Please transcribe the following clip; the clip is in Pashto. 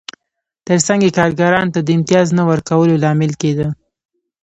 ترڅنګ یې کارګرانو ته د امتیاز نه ورکولو لامل کېده